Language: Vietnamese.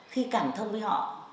khi cảm thông với họ